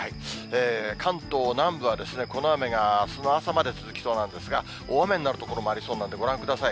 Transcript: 関東南部はこの雨があすの朝まで続きそうなんですが、大雨になる所もありそうなんで、ご覧ください。